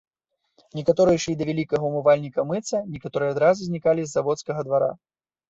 Некаторыя ішлі да вялікага ўмывальніка мыцца, некаторыя адразу знікалі з заводскага двара.